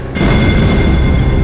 asistennya mas al